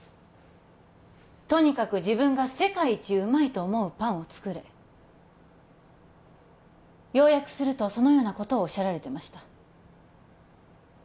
とにかく自分が世界一うまいと思うパンを作れ要約するとそのようなことをおっしゃられてました